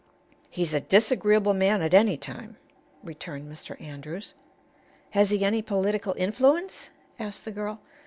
"He's a disagreeable man at any time," returned Mr. Andrews. "Has he any political influence?" asked the girl.